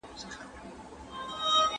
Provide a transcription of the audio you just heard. د کارونو جریان د هغه له لوري اداره کیږي.